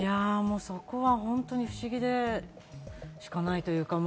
そこは本当に不思議でしかない。